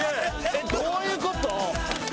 えっどういう事？